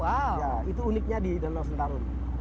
iya itu uniknya di danau sentarung